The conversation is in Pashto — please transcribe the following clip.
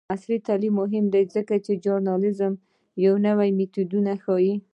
عصري تعلیم مهم دی ځکه چې د ژورنالیزم نوې میتودونه ښيي.